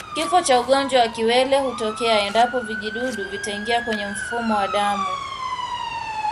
Kifo kwa ugonjwa wa kiwele hutokea endapo vijidudu vitaingia kwenye mfumo wa damu